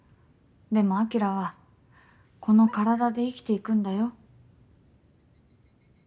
でも晶はこの体で生きていくんだよ。